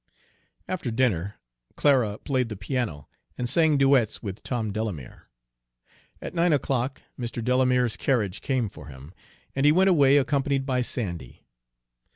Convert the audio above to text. After dinner Clara played the piano and sang duets with Tom Delamere. At nine o'clock Mr. Delamere's carriage came for him, and he went away accompanied by Sandy.